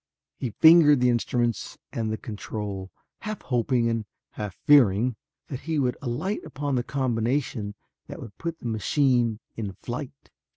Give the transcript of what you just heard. He fingered the instruments and the control, half hoping and half fearing that he would alight upon the combination that would put the machine in flight.